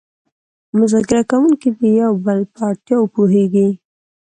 مذاکره کوونکي د یو بل په اړتیاوو پوهیږي